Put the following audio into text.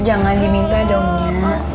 jangan diminta dong ya